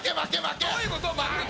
どういうこと？